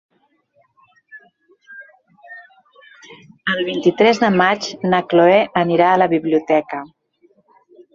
El vint-i-tres de maig na Cloè anirà a la biblioteca.